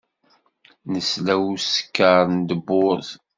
Nesla i usekkeṛ n tewwurt.